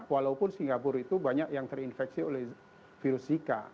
walaupun singapura itu banyak yang terinfeksi oleh virus zika